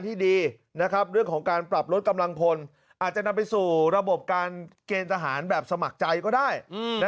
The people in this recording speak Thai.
ที่ดีนะครับเรื่องของการปรับลดกำลังกลัวนทราบตอบการเกณตะหารแบบสมัครใจก็ได้นะ